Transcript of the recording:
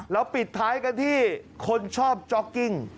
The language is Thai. ปิดท้ายกันที่คนชอบจ๊อกกิ้ง